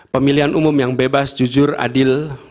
pemilihan umum yang bebas jujur adil